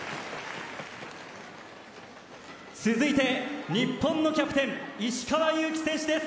続いて日本のキャプテン石川祐希選手です。